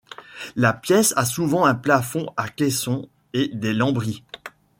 La pièce a souvent un plafond à caissons et des lambris.